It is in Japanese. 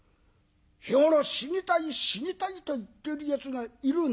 「日頃『死にたい死にたい』と言っているやつがいるんだ」。